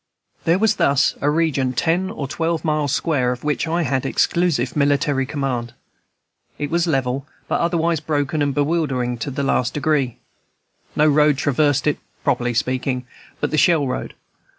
There was thus a region ten or twelve miles square of which I had exclusive military command. It was level, but otherwise broken and bewildering to the last degree. No road traversed it, properly speaking, but the Shell Road.